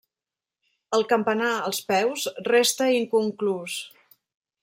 El campanar, als peus, resta inconclús.